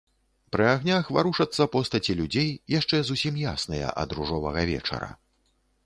Пры агнях варушацца постаці людзей, яшчэ зусім ясныя ад ружовага вечара.